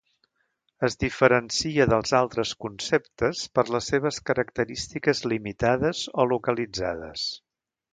Es diferencia dels altres conceptes per les seves característiques limitades o localitzades.